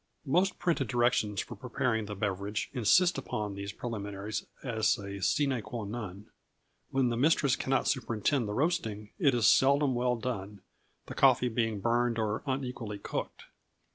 Most printed directions for preparing the beverage insist upon these preliminaries as a sine qua non. When the mistress cannot superintend the roasting, it is seldom well done, the coffee being burned or unequally cooked.